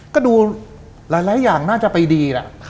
ก็ดูหลายอย่างน่าจะไปดีแหละ